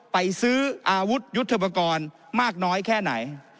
ไปซื้ออาวุธยุทธปกรณ์มากน้อยแค่ไหน